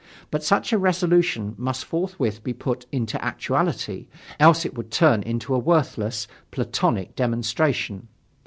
But such a resolution must forthwith be put into actuality, else it would turn into a worthless, Platonic demonstration.